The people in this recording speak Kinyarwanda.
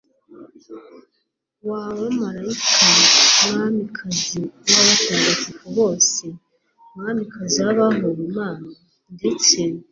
w'abamarayika, mwamikazi w'abatagatifu bose, mwamikazi w'abahowe imana, ndetse